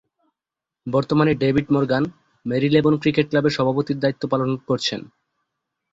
বর্তমানে David Morgan Marylebone cricket ক্লাবের সভাপতির দায়িত্ব পালন করছেন।